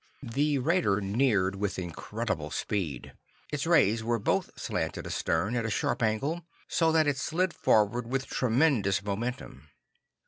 The raider neared with incredible speed. Its rays were both slanted astern at a sharp angle, so that it slid forward with tremendous momentum.